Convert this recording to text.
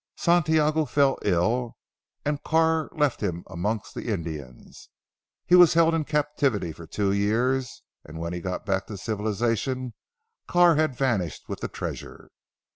Santiago fell ill, and Carr left him amongst the Indians. He was held in captivity for two years, and when he got back to civilisation Carr had vanished with the treasure.